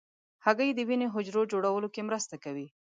هګۍ د وینې حجرو جوړولو کې مرسته کوي.